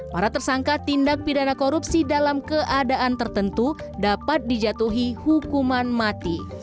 para tersangka tindak pidana korupsi dalam keadaan tertentu dapat dijatuhi hukuman mati